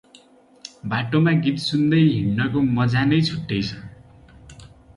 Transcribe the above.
बाटोमा गीत सुन्दै हिड्नको मज्जा नै छुट्टै छ ।